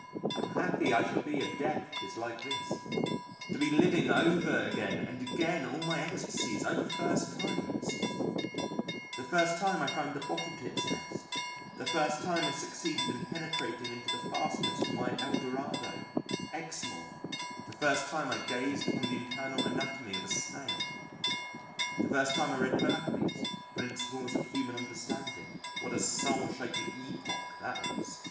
How happy I shall be if Death is like this: to be living over again and again all my ecstasies, over first times the first time I found a Bottle Tit's nest, the first time I succeeded in penetrating into the fastnesses of my El Dorado Exmoor, the first time I gazed upon the internal anatomy of a Snail, the first time I read Berkeley's Principles of Human Understanding (what a soul shaking epoch that was!)